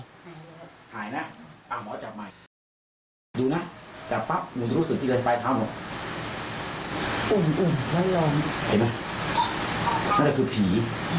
นั่นคือผี